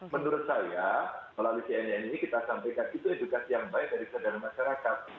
menurut saya melalui cnn ini kita sampaikan itu edukasi yang baik dari kesadaran masyarakat